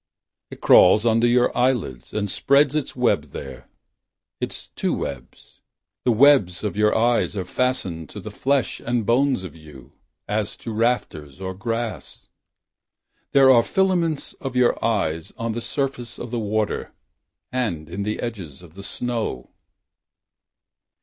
It crawls under your eyelids And spreads its webs there Its two webs . The webs of your eyes Are fastened To the flesh and bones of you As to rafters or grass. There are filaments of your eyes On the surface of the water And in the edges of the snow.